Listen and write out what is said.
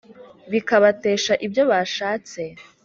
Bikabatesha ibyo bashatse?